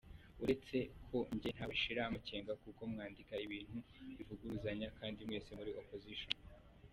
Uretseko njye ntabashira amakenga kuko mwandika ibintu bivuguruzanya Kandi mwese muri opposition.